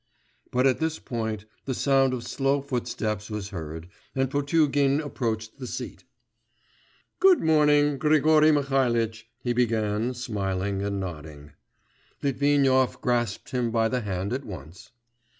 But at this point the sound of slow footsteps was heard, and Potugin approached the seat. 'Good morning, Grigory Mihalitch,' he began, smiling and nodding. Litvinov grasped him by the hand at once.